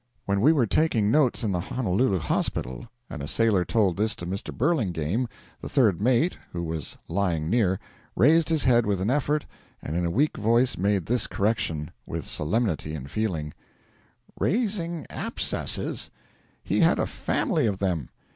When we were taking notes in the Honolulu hospital and a sailor told this to Mr. Burlingame, the third mate, who was lying near, raised his head with an effort, and in a weak voice made this correction with solemnity and feeling: 'Raising abscesses! He had a family of them.